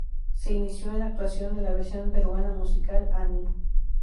Se inició en la actuación en la versión peruana musical Annie.